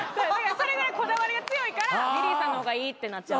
それぐらいこだわりが強いからリリーさんの方がいいってなっちゃう。